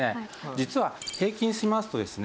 実は平均しますとですね